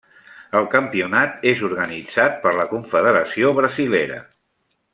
El campionat és organitzat per la confederació brasilera.